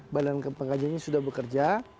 badan pengkajian ini sudah bekerja